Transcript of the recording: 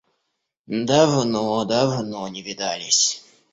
Давно, давно не видались».